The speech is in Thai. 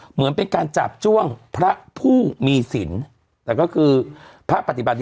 เหมือนเป็นการจับจ้างภรรณ์ผู้มีสินแต่ก็คือภพฤษภัณฑ์